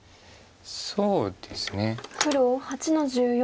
そうですね。